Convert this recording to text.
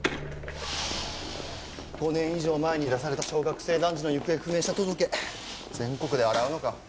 ５年以上前に出された小学生男児の行方不明者届全国で洗うのか。